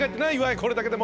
これだけでも。